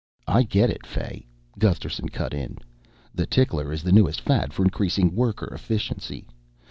"I get it, Fay," Gusterson cut in. "The tickler is the newest fad for increasing worker efficiency.